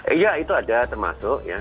iya itu ada termasuk ya